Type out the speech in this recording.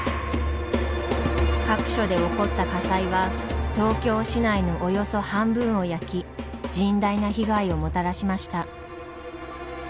各所で起こった火災は東京市内のおよそ半分を焼き甚大な被害をもたらしました。